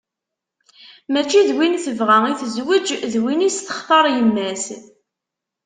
Mačči d win tebɣa i tezweǧ, d win i s-textar yemma-s.